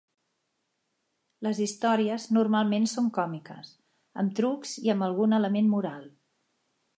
Les històries normalment són còmiques, amb trucs i amb algun element moral.